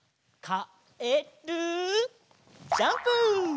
かえるジャンプ！